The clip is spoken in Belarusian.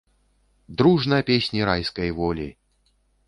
Дружна песні райскай волі!